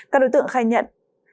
các đối tượng khai nhận